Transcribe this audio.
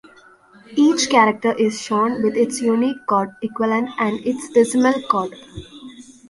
Each character is shown with its Unicode equivalent and its decimal code.